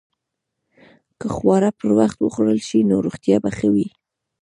که خواړه پر وخت وخوړل شي، نو روغتیا به ښه وي.